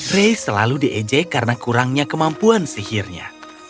ray selalu diejek karena kurangnya kemampuan sihirnya